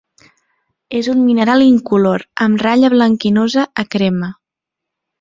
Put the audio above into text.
És un mineral incolor, amb ratlla blanquinosa a crema.